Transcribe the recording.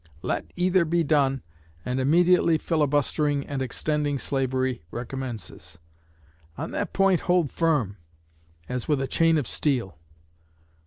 Let either be done, and immediately filibustering and extending slavery recommences. On that point hold firm, as with a chain of steel.